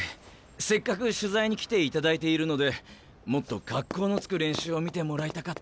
せっかく取材に来ていただいているのでもっと格好のつく練習を見てもらいたかったんですけど。